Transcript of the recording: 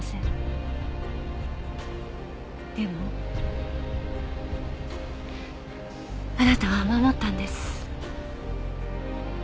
でもあなたは守ったんです。